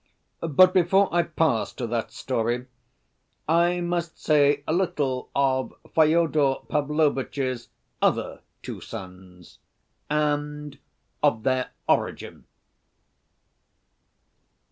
But before I pass to that story I must say a little of Fyodor Pavlovitch's other two sons, and of their origin.